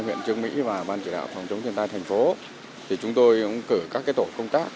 huyện trương mỹ và ban chỉ đạo phòng chống thiên tai thành phố thì chúng tôi cũng cử các tổ công tác